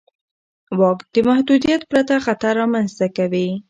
واک د محدودیت پرته خطر رامنځته کوي.